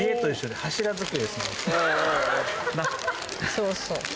そうそう。